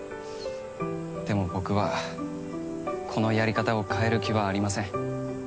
でも僕はこのやり方を変える気はありません。